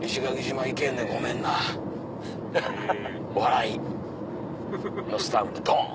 笑いのスタンプドン！